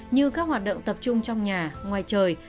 như các hoạt động tập trung trong nhà ngoài trời